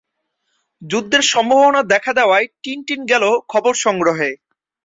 যুদ্ধের সম্ভাবনা দেখা দেওয়ায় টিনটিন গেল খবর সংগ্রহে।